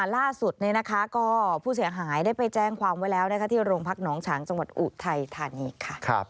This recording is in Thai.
ล่าสุดก็ผู้เสียหายได้ไปแจ้งความไว้แล้วที่โรงพักหนองฉางจังหวัดอุทัยธานีค่ะ